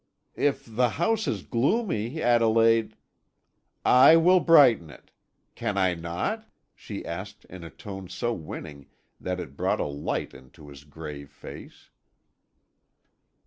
"If the house is gloomy, Adelaide " "I will brighten it. Can I not?" she asked in a tone so winning that it brought a light into his grave face.